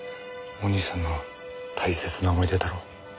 お兄さんの大切な思い出だろ。